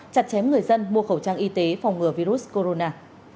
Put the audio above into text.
chặt chém người dân mua khẩu trang y tế phòng ngừa virus corona